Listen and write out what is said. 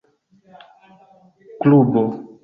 klubo